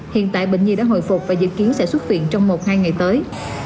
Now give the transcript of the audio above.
hiện tại bệnh nhi đã hồi phục và dự kiến sẽ xuất viện trong một hai ngày tới